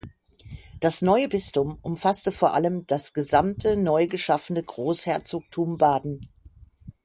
Das neue Bistum umfasste vor allem das gesamte neu geschaffene Großherzogtum Baden.